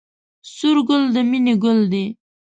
سور ګل د مینې ګل دی